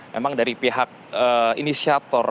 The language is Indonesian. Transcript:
memang dari pihak inisiator